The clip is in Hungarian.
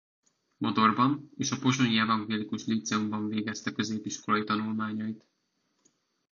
Modorban és a pozsonyi evangélikus líceumban végezte középiskolai tanulmányait.